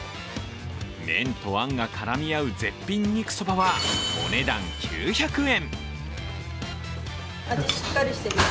麺とあんが絡み合う絶品肉ソバはお値段９００円。